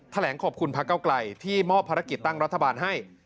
แหลงขอบคุณพระเก้าไกลที่มอบภารกิจตั้งรัฐบาลให้